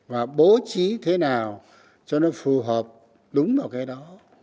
và bố trí thế nào cho nó phù hợp đúng vào cái đó